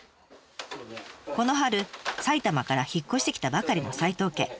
この春埼玉から引っ越してきたばかりの斎藤家。